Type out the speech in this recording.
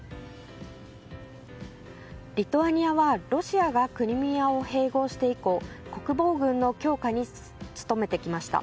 リトアニアはロシアがクリミアを併合して以降国防軍の強化に努めてきました。